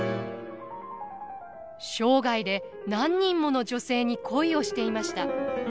生涯で何人もの女性に恋をしていました。